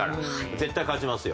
絶対勝ちますよ。